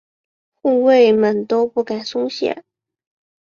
护卫们都不敢松懈。